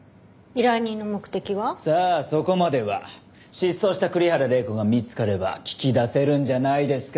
失踪した栗原玲子が見つかれば聞き出せるんじゃないですか？